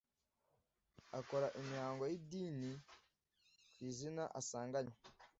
akora imihango y’idini ku izina asanganywe